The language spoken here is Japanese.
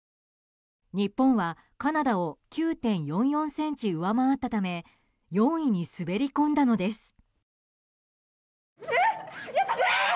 日本はカナダを９．４４ｃｍ上回ったため４位に滑り込んだのです。